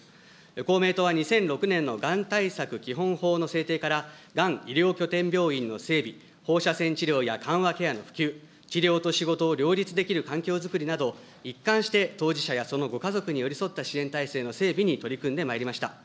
公明党は２００６年のがん対策基本法の制定から、がん医療拠点病院の整備、放射線治療や緩和ケアの普及、治療と仕事を両立できる環境づくりなど、一貫して当事者やそのご家族に寄り添った支援体制の整備に取り組んでまいりました。